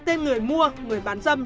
tên người mua người bán dâm